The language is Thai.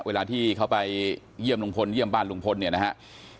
เวลาที่เขาไปเยี่ยมลุงพลเยี่ยมบ้านลุงพลเนี่ยนะครับ